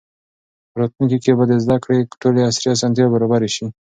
په راتلونکي کې به د زده کړې ټولې عصري اسانتیاوې برابرې سي.